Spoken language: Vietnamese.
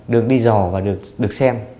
được đi dò và được xem